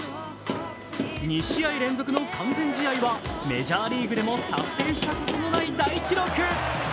２試合連続の完全試合はメジャーリーグでも達成したことのない大記録。